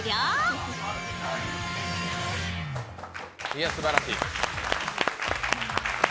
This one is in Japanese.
いや、すばらしい。